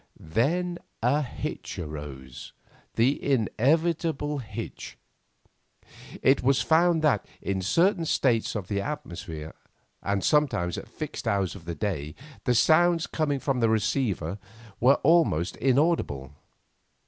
Then a hitch arose, the inevitable hitch; it was found that, in certain states of the atmosphere, and sometimes at fixed hours of the day, the sounds coming from the receiver were almost inaudible.